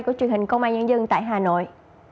của truyền hình công an nhân dân tại hà nội